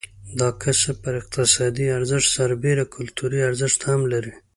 دا کسب پر اقتصادي ارزښت سربېره کلتوري ارزښت هم لري.